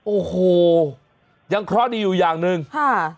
โอ้โหยังเคราะห์ดีอยู่อย่างหนึ่งค่ะ